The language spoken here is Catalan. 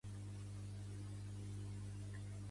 El house en català em mola.